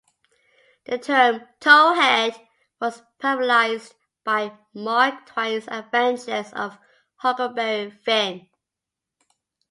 The term "towhead" was popularised by Mark Twain's "Adventures of Huckleberry Finn".